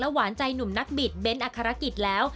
หวานใจหนุ่มนักบิดเบ้นอัครกิจแล้ว